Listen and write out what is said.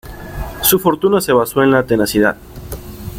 Su fortuna se basó en la tenacidad.